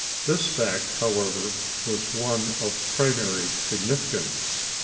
This fact, however, was one of primary significance.